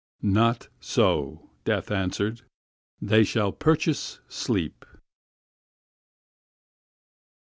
"Not so," Death answered, "they shall purchase sleep."